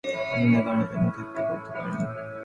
আপনাদের কারো কোনো প্রশ্ন থাকলে করতে পারেন।